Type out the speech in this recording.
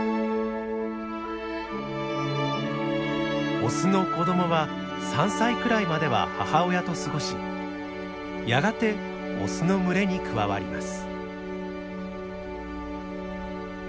オスの子どもは３歳くらいまでは母親と過ごしやがてオスの群れに加わります。